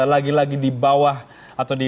lagi lagi di bawah atau di